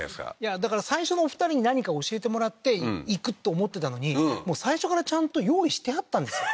だから最初のお二人に何か教えてもらって行くと思ってたのに最初からちゃんと用意してあったんですよ